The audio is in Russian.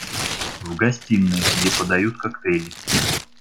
В гостиной, где подают коктейли.